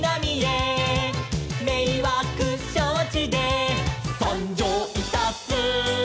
「めいわくしょうちでさんじょういたす」